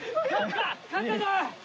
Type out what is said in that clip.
勝ったぞ！